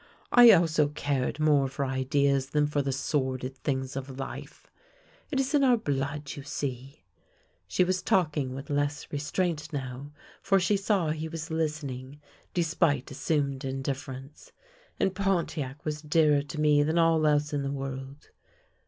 I also cared more for ideas than for the sordid things of life. It is in our blood, you see "— she was talking with less restraint now, for she saw he was listening, despite assumed indifference —" and Pontiac was dearer to me than all else in the world.